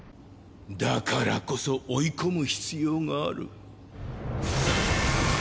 だからこそ追い込む必要がある。